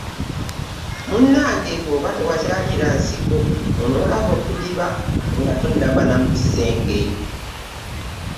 Munnange bw'oba tewakyalira nsiko onoolaba okudiba nga tonnava na mu kisenge.